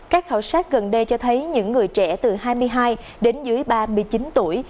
các khảo sát gần đây cho thấy những người trẻ từ hai mươi hai đến dưới ba mươi chín tuổi